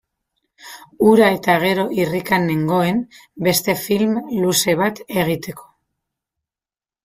Hura eta gero irrikan nengoen beste film luze bat egiteko.